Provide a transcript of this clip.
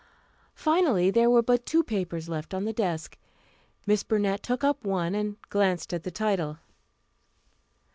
Finally, there were but two papers left on the desk. Miss Burnett took up one and glanced at the title.